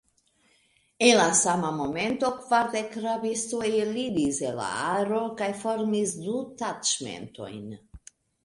En la sama momento kvardek rabistoj eliris el la aro kaj formis du taĉmentojn.